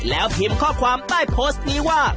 แล้วพิมพ์ข้อความใต้โพสต์นี้ว่า